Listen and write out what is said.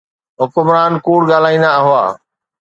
حڪمران ڪوڙ ڳالهائيندا هئا.